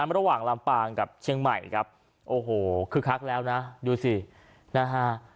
ระหว่างลำปางกับเชียงใหม่ครับโอ้โหคึกคักแล้วนะดูสินะฮะ